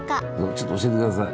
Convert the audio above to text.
ちょっと教えてください。